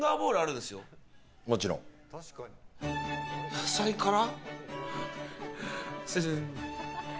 野菜から？